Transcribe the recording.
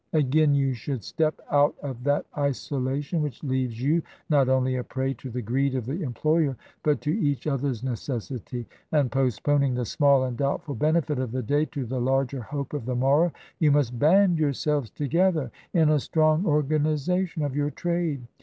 Again, you should step out of that isolation which leaves you not only a prey to the greed of the employer but to each other's necessity, and, postponing the small and doubtful benefit of the day to the larger hope of the morrow, you must band yourselves together in a strong organization of your trade.